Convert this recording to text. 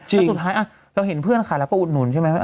สุดท้ายเราเห็นเพื่อนขายเราก็อุดหนุนใช่ไหม